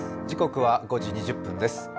時刻は５時２０分です。